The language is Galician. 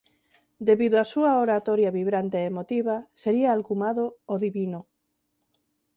Debido á súa oratoria vibrante e emotiva sería alcumado «o Divino».